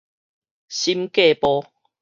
審計部